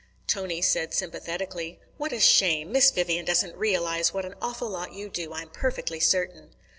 Tony said sympathetically: "What a shame! Miss Vivian doesn't realize what an awful lot you do, I'm perfectly certain."